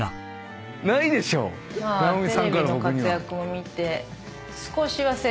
「まあテレビの活躍を見て」